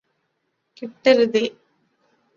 കിട്ടരുതേ